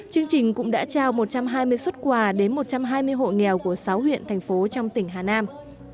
chương trình cũng đã trao một trăm hai mươi xuất quà đến một trăm hai mươi hộ nghèo của sáu huyện thành phố trong tỉnh hà nam